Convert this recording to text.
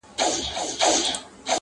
بس ور پاته دا یو نوم یو زوړ ټغر دی.!